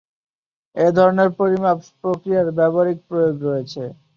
এই ধরনের পরিমাপ প্রক্রিয়ার ব্যবহারিক প্রয়োগ রয়েছে।